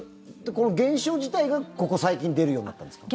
この現象自体が、ここ最近出るようになったんですか？